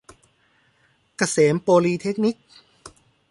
เกษมโปลีเทคนิค